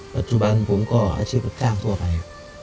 ปัจจุบันผมก็อาชีพรับจ้างทั่วไป